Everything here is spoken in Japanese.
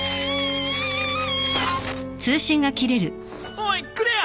おいクレア！